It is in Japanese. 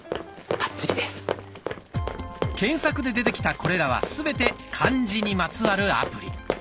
検索で出てきたこれらはすべて「漢字」にまつわるアプリ。